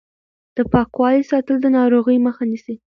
د پاکوالي ساتل د ناروغۍ مخه نیسي.